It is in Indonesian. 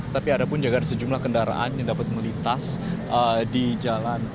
tapi ada pun juga ada sejumlah kendaraan yang dapat melintas di jalan